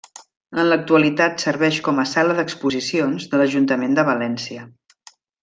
En l'actualitat serveix com a sala d'exposicions de l'Ajuntament de València.